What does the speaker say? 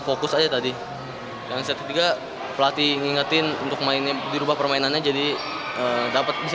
fokus aja tadi yang setiga pelatih ngingetin untuk mainnya dirubah permainannya jadi dapat bisa